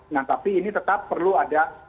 nah tapi ini tetap perlu ada